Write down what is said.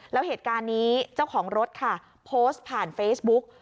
แล้วเหตุการณ์นี้เจ้าของรถค่ะโพสต์ผ่านเฟซบุ๊ก